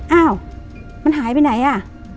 อ้าวมันหายไปไหนอ่ะ